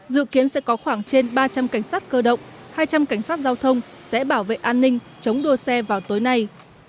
dự kiến sẽ có khoảng trên ba trăm linh cảnh sát cơ động hai trăm linh cảnh sát giao thông sẽ bảo vệ an ninh chống đua xe vào tối nay